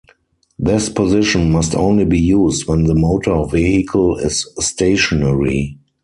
This position must only be used when the motor vehicle is stationary.